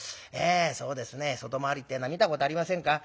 そうですね外回りってえのは見たことありませんか？